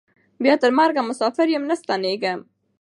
بیا تر مرګه مساپر یم نه ستنېږم